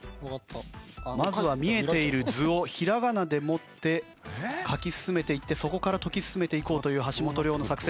まずは見えている図をひらがなでもって書き進めていってそこから解き進めていこうという橋本涼の作戦です。